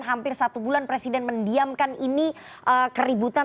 hampir satu bulan presiden mendiamkan ini keributan